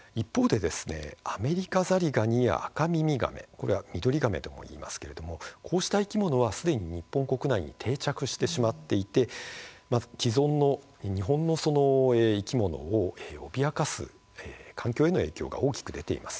一方でアメリカザリガニやアカミミガメミドリガメとも言いますがこうした生き物はすでに日本国内に定着してしまっていて日本の生き物を脅かす環境への影響が大きく出ています。